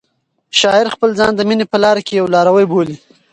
شاعر خپل ځان د مینې په لاره کې یو لاروی بولي.